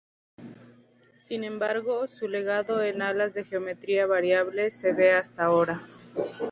Sin embargo, su legado en alas de geometría variable se ve hasta ahora.